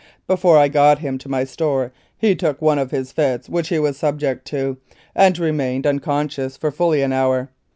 Before I got him to my store he took one of his fits which he was subject to, and remained unconscious for fully an hour.